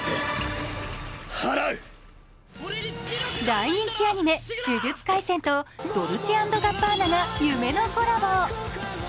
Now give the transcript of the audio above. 大人気アニメ「呪術廻戦」とドルチェ＆ガッバーナが夢のコラボ。